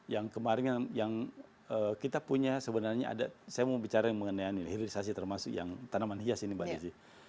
yang kemarin yang kita punya sebenarnya ada saya mau bicara mengenai hilirisasi termasuk yang tanaman hias ini mbak desi